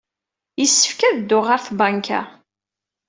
Yessefk ad dduɣ ɣer tbanka.